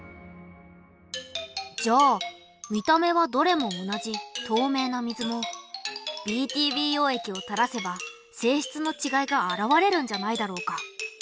じゃあ見た目はどれも同じとうめいな水もＢＴＢ溶液をたらせば性質のちがいが現れるんじゃないだろうか？